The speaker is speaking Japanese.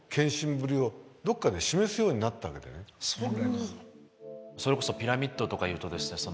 でもそれこそピラミッドとかいうとですね